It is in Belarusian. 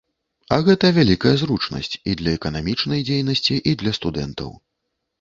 А гэта вялікая зручнасць і для эканамічнай дзейнасці, і для студэнтаў.